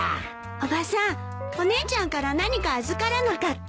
おばさんお姉ちゃんから何か預からなかった？